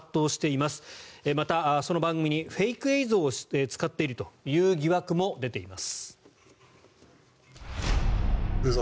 また、その番組にフェイク映像を使っているという疑惑も出ています。